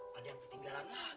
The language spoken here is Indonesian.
padahal meist kita ga selesai